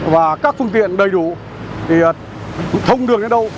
và các phương tiện đầy đủ thì thông đường đến đâu